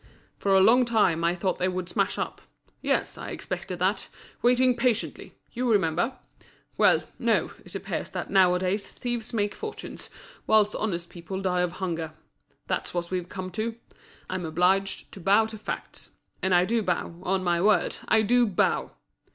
For a long time I thought they would smash up; yes, I expected that, waiting patiently—you remember? Well, no, it appears that now a days thieves make fortunes, whilst honest people die of hunger. That's what we've come to. I'm obliged to bow to facts. And I do bow, on my word, I do bow!"